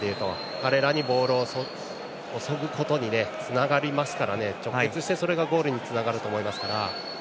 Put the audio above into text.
彼らにボールを注ぐことにつながりますから直結して、それがゴールにつながると思いますから。